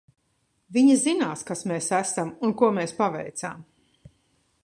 Viņi zinās, kas mēs esam un ko mēs paveicām.